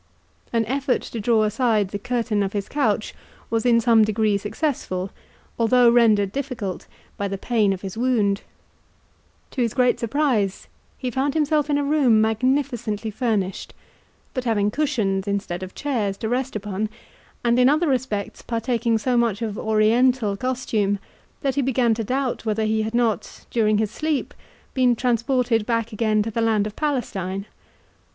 An effort to draw aside the curtain of his couch was in some degree successful, although rendered difficult by the pain of his wound. To his great surprise he found himself in a room magnificently furnished, but having cushions instead of chairs to rest upon, and in other respects partaking so much of Oriental costume, that he began to doubt whether he had not, during his sleep, been transported back again to the land of Palestine.